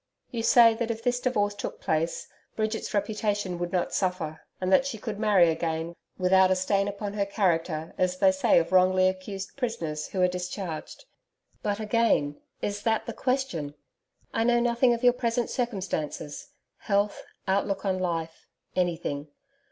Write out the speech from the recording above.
You say that if this divorce took place, Bridget's reputation would not suffer, and that she could marry again without a stain upon her character as they say of wrongfully accused prisoners who are discharged. But again is that the question? I know nothing of your present circumstances health, outlook on life anything.